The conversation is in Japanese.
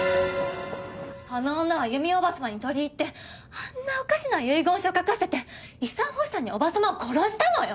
あの女は由美おばさまに取り入ってあんなおかしな遺言書書かせて遺産欲しさにおば様を殺したのよ！